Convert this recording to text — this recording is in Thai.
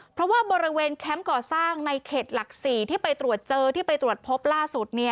เพราะว่าบริเวณแคมป์ก่อสร้างในเขตหลัก๔ที่ไปตรวจเจอที่ไปตรวจพบล่าสุด